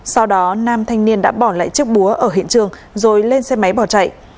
sau đó nam thanh niên đã bỏ lại chiếc búa ở hiện trường rồi lên xe máy bỏ chạy